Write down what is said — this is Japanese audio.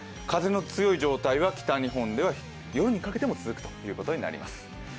風の強い状態は北日本では夜にかけても続くことになります。